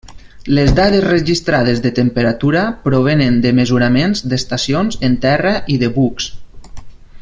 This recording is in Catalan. Les dades registrades de temperatura provenen de mesuraments d’estacions en terra i de bucs.